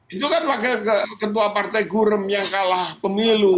itu kan wakil ketua partai gurem yang kalah pemilu